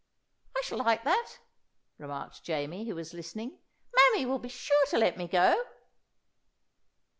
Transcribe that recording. "I shall like that," remarked Jamie, who was listening. "Mammy will be sure to let me go!"